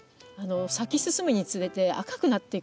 咲き進むにつれて赤くなっていくんですね。